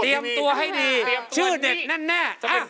เตรียมตัวให้ดีชื่อเด็ดแน่